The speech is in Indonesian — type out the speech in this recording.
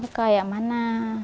besarnya kayak mana